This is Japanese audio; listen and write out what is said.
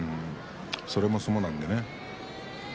それも相撲なんでね。